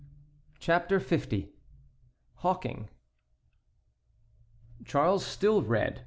CHAPTER L. HAWKING. Charles still read.